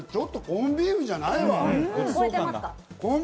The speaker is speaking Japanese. コンビーフじゃない！